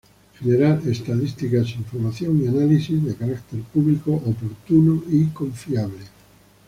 Generar estadísticas, información y análisis, de carácter público oportuno y confiable.